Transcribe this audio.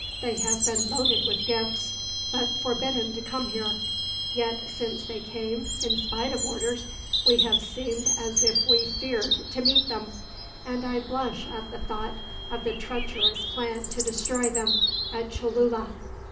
They have been loaded with gifts, but forbidden to come here. Yet since they came, in spite of orders, we have seemed as if we feared to meet them; and I blush at the thought of the treacherous plan to destroy them, at Cholula.